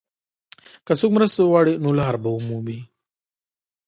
که څوک مرسته وغواړي، نو لار به ومومي.